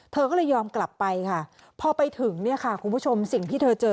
เธอก็เลยยอมกลับไปค่ะพอไปถึงเนี่ยค่ะคุณผู้ชมสิ่งที่เธอเจอ